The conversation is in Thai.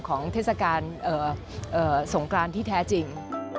เทศกาลสงกรานที่แท้จริง